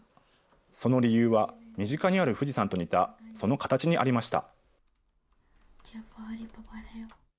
その理由は身近にある富士山と似た、その形にありました。